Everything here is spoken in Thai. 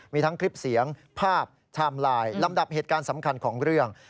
มีทั้งคลิปเสียงภาพไทม์ไลน์ลำดับเหตุการณ์สำคัญของเรื่อง